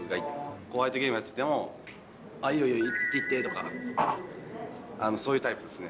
後輩とゲームやってても、あ、いいよ、いいよ、いってとか、そういうタイプですね。